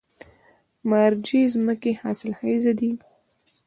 مارجې ځمکې حاصلخیزه دي؟